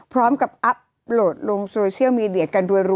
พร้อมกับอัพโหลดลงโซเชียลมีเดียกันรัว